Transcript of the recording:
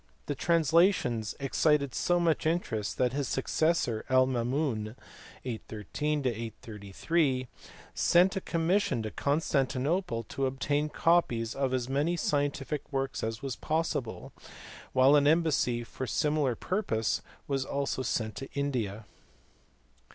The translations excited so much interest that his successor Al Mamuii (813 833) sent a commission to Constantinople to obtain copies of as many scientific works as was possible, while an embassy for a similar purpose was also sent to India.